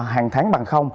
hàng tháng bằng